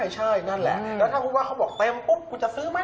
ใช่นั่นแหละแล้วถ้าพูดว่าเขาบอกเต็มปุ๊บคุณจะซื้อไหม